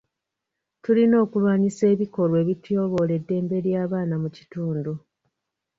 Tulina okulwanyisa ebikolwa ebityoboola eddembe ly'abaana mu kitundu.